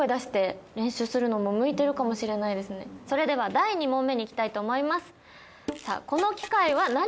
それでは第２問目にいきたいと思います。